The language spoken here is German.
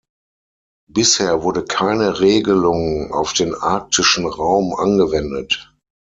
Bisher wurde keine Regelung auf den arktischen Raum angewendet.